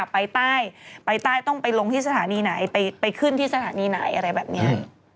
ไปใต้ไปใต้ต้องไปลงที่สถานีไหนไปขึ้นที่สถานีไหนอะไรแบบนี้